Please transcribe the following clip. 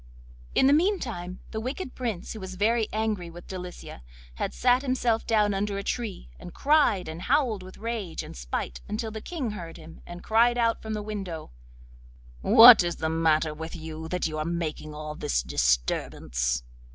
In the meantime the wicked Prince, who was very angry with Delicia, had sat himself down under a tree, and cried and howled with rage and spite until the King heard him, and cried out from the window: 'What is the matter with you, that you are making all this disturbance?